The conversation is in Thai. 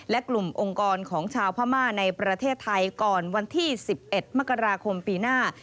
และกลุ่มองค์กรของชาวพม่าในประเทศไทยก่อนวันที่๑๑มกราคมปีหน้า